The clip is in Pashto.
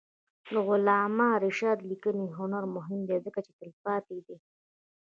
د علامه رشاد لیکنی هنر مهم دی ځکه چې تلپاتې دی.